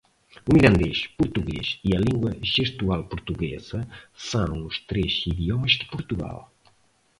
O Mirandês, Português e a Lingua Gestual Portuguesa são os três idiomas de Portugal.